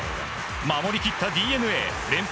守り切ったＤｅＮＡ連敗